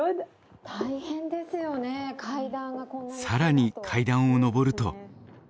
更に階段を上ると。